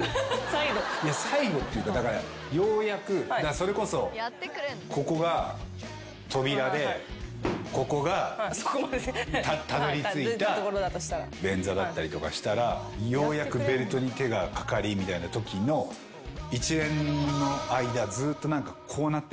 サイドってかだからようやくそれこそここが扉でここがたどりついた便座だったりとかしたらようやくベルトに手がかかりみたいなときの一連の間ずっと何かこうなってない？